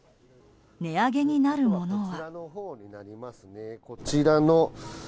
値上げになるものは？